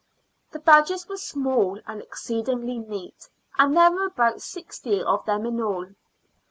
The badges were small and exceedingly neat, and there were about sixty of them in all.